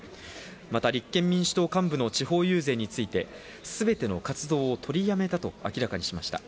また立憲民主党幹部の地方遊説について、すべての活動を取りやめたと明らかにしました。